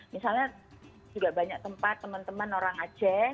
misalnya juga banyak tempat teman teman orang aceh